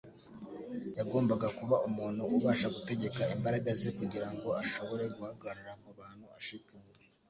Yagombaga kuba umuntu ubasha gutegeka imbaraga ze kugira ngo ashobore guhagarara mu bantu ashikamye,